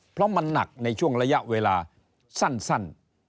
เพราะมันหนักในช่วงระยะเวลาสั้น